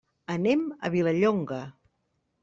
Anem a Vilallonga.